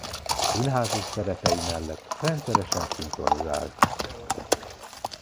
Színházi szerepei mellett rendszeresen szinkronizált.